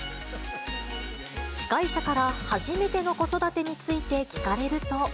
司会者から初めての子育てについて聞かれると。